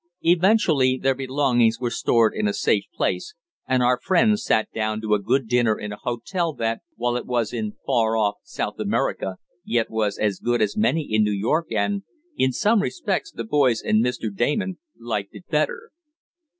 Eventually their belongings were stored in a safe place, and our friends sat down to a good dinner in a hotel that, while it was in far off South America, yet was as good as many in New York, and, in some respects the boys, and Mr. Damon, liked it better.